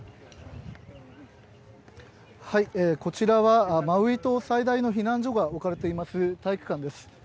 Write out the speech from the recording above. こちらはマウイ島最大の避難所が置かれています体育館です。